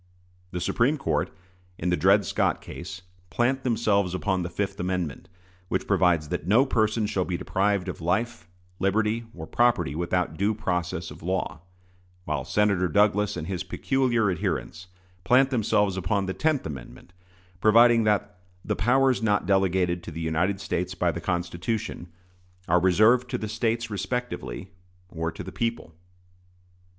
The Supreme Court, in the Dred Scott case, plant themselves upon the fifth amendment, which provides that no person shall be deprived of "life, liberty, or property without due process of law"; while Senator Douglas and his peculiar adherents plant themselves upon the tenth amendment, providing that "the powers not delegated to the United States by the Constitution" "are reserved to the States respectively, or to the people."